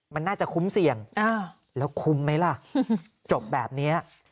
มันน่าจะคุ้มเสี่ยงแล้วคุ้มไหมล่ะจบแบบนี้